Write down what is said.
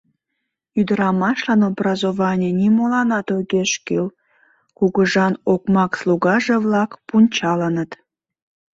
«Ӱдырамашлан образований нимоланат огеш кӱл», — кугыжан окмак слугаже-влак пунчалыныт.